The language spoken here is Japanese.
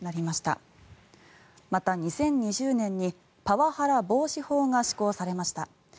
また、２０２０年にパワハラ防止法が施行されました。